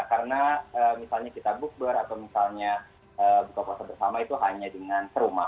karena misalnya kita book bar atau misalnya buka puasa bersama itu hanya dengan serumah